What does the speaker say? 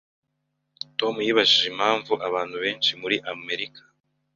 Tom yibajije impamvu abantu benshi muri Amerika